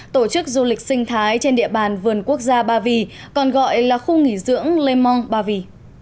tổ chức du lịch sinh thái trên địa bàn vườn quốc gia ba vì còn gọi là khu nghỉ dưỡng lê mong ba vì